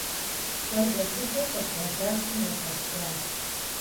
Щӏалэ цӏыкӏур къыбгъэдэсым епӏэскӏуащ.